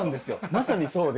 まさにそうで。